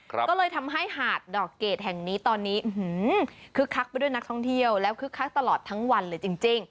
ก็เลยทำให้หาดดอกเกดแห่งนี้ตอนนี้คึกคักไปด้วยนักท่องเที่ยวแล้วคึกคักตลอดทั้งวันเลยจริง